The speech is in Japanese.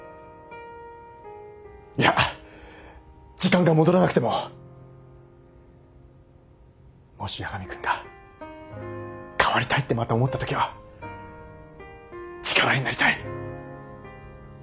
いや時間が戻らなくてももし八神君が変わりたいってまた思ったときは力になりたい。